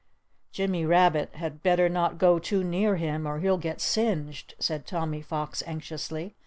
"Jimmy Rabbit had better not go too near him, or he'll get singed," said Tommy Fox, anxiously.